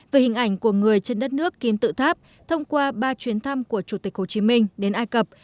về hình ảnh của người trên đất nước kim tự tháp thông qua ba chuyến thăm của chủ tịch hồ chí minh đến ai cập